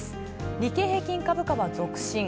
日経平均株価は続伸。